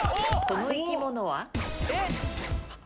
この生き物は？